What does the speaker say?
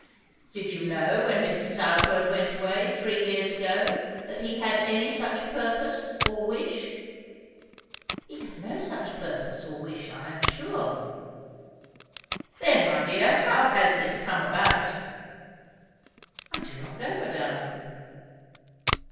"Did you know, when Mr. Southwode went away, three years ago, that he had any such purpose, or wish?" "He had no such purpose, or wish, I am sure." "Then, my dear, how has this come about?" "I do not know, madame."